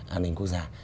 an ninh quốc gia